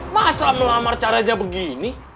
masa melamar caranya begini